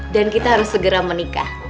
dan kita harus segera menikah